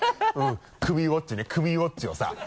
クミウォッチねクミウォッチをさ。